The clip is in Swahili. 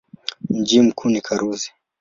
Mji mkuu ni Karuzi.